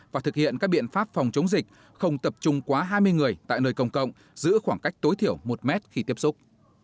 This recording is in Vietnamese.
và thực hiện các biện pháp phòng chống dịch không tập trung quá hai mươi người tại nơi công cộng giữ khoảng cách tối thiểu một mét khi tiếp xúc